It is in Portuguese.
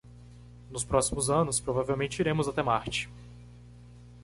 Nos próximos anos, provavelmente iremos até Marte.